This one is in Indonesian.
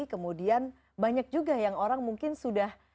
kemudian banyak juga yang orang mungkin sudah